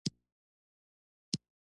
د سرپل په کوهستانات کې د تیلو نښې شته.